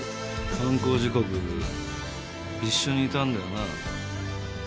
犯行時刻一緒にいたんだよな？